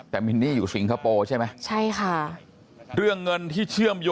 แต่มินนี่อยู่สิงคโปร์ใช่ไหม